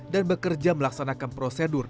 dan bekerja melaksanakan prosedur